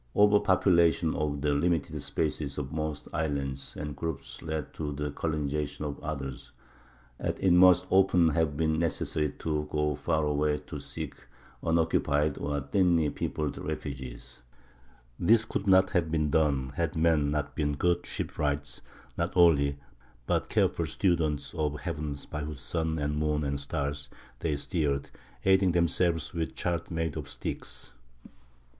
Over population of the limited spaces of most islands and groups led to the colonization of others; and it must often have been necessary to go far away to seek unoccupied or thinly peopled refuges. This could not have been done had men not been good shipwrights, not only, but careful students of the heavens by whose sun and moon and stars they steered, aiding themselves with charts made of sticks.